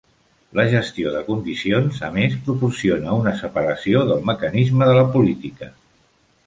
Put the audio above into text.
La gestió de condicions, a més, proporciona una separació del mecanisme de la política.